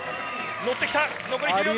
乗ってきた。